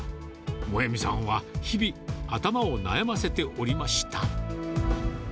萌実さんは、日々、頭を悩ませておりました。